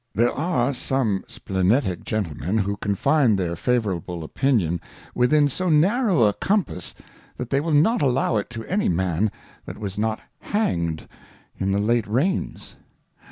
There are some Splenetick Gentlemen who confine their favourable Opinion within so narrow a compass, that they will not allow it to any man that was not hanged in the late Reigns.